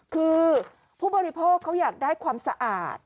คือผู้บริโภคเขาอยากได้ความสะอาด